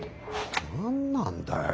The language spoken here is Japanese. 何なんだよ